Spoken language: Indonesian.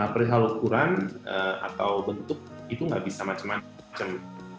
perihal ukuran atau bentuk itu nggak bisa macam macam